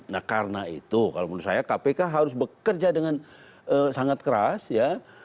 nah karena itu kalau menurut saya kpk harus bekerja dengan sangat keras ya